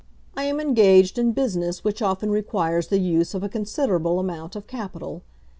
I am engaged in business which often requires the use of a considerable amount of capital.